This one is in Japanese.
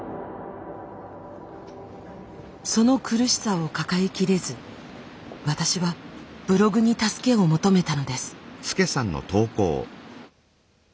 その苦しさを抱えきれず私はブログに助けを求めたのです。